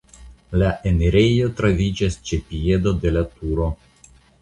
La enirejo troviĝas ĉe piedo de la turo.